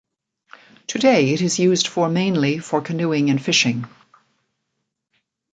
Today, it is used for mainly for canoeing and fishing.